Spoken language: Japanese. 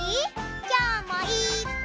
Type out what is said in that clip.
きょうもいっぱい。